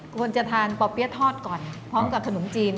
ควรจะทานป่อเปี๊ยะทอดก่อนพร้อมกับขนมจีน